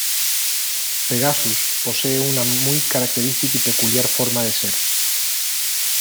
Pegasus posee una muy característica y peculiar forma de ser.